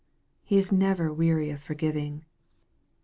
He is never weary of forgiving.